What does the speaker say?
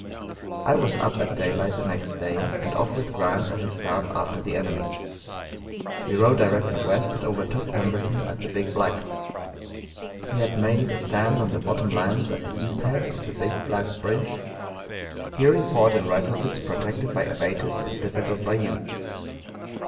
I was up at daylight the next day, and off with Grant and his staff after the enemy. We rode directly west, and overtook Pemberton at the Big Black. He had made a stand on the bottom lands at the east head of the Big Black bridge. Here he fought in rifle pits, protected by abatis and a difficult bayou.